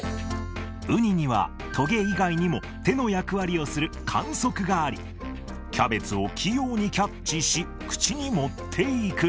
ウニにはとげ以外にも手の役割をする管足があり、キャベツを器用にキャッチし、口に持っていく。